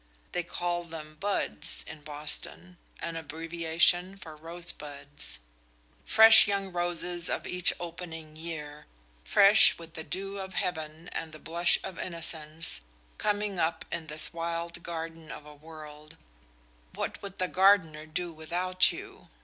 They call them "buds" in Boston an abbreviation for rosebuds. Fresh young roses of each opening year, fresh with the dew of heaven and the blush of innocence, coming up in this wild garden of a world, what would the gardener do without you?